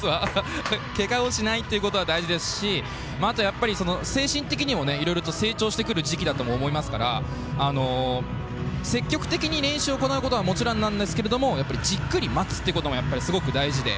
けがをしないっていうことは大事ですしあとは、精神的にもいろいろと成長してくる時期だと思いますから積極的に練習を行うことも一つなんですけど待つこともやっぱりすごく大事で。